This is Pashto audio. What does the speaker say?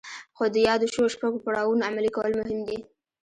خو د يادو شويو شپږو پړاوونو عملي کول مهم دي.